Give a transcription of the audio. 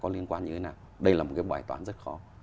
có liên quan như thế nào đây là một cái bài toán rất khó